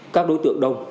các đối tượng đông